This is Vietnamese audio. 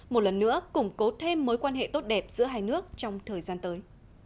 một lần nữa củng cố thêm mối quan hệ tốt đẹp giữa hai nước trong thời gian tới